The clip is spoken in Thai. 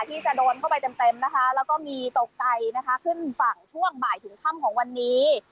ที่จะโดนเข้าไปเต็มนะคะแล้วก็มีตกใจนะคะขึ้นฝั่งช่วงบ่ายถึงค่ำของวันนี้